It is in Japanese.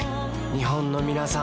日本のみなさん